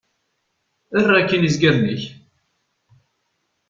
Err akkin izgaren-ik!